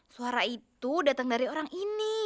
suara itu datang dari orang ini